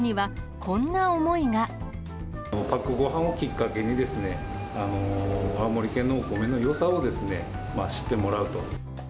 パックごはんをきっかけにですね、青森県のお米のよさをですね、知ってもらうと。